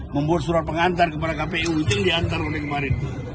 membuat surat pengantar kepada kpi uting diantar oleh kemarin